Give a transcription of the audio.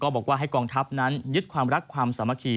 บอกว่าให้กองทัพนั้นยึดความรักความสามัคคี